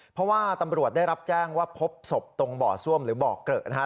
เพราะว่าตำรวจได้รับแจ้งว่าพบศพตรงบ่อซ่วมหรือบ่อเกลอะนะฮะ